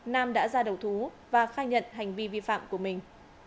nam đã ra đầu thú và khai nhận hành vi vi phạm của mình